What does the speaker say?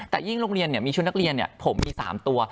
แต่ยิ่งโรงเรียนเนี่ยมีชุดนักเรียนเนี่ยผมมี๓ตัว